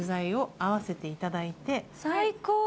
最高！